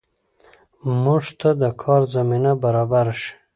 موږ ته د کار زمینه برابره شي